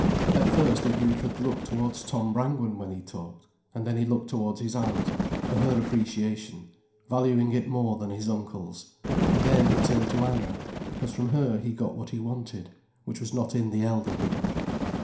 At first the youth had looked towards Tom Brangwen when he talked; and then he looked towards his aunt, for her appreciation, valuing it more than his uncle's; and then he turned to Anna, because from her he got what he wanted, which was not in the elder people.